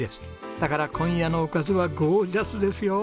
だから今夜のおかずはゴージャスですよ！